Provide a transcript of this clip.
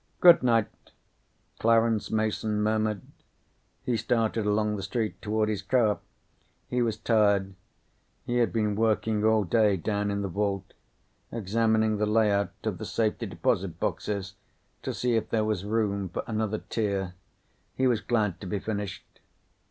"Good night," Clarence Mason murmured. He started along the street toward his car. He was tired. He had been working all day down in the vault, examining the lay out of the safety deposit boxes to see if there was room for another tier. He was glad to be finished.